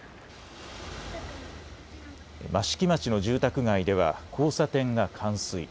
益城町の住宅街では交差点が冠水。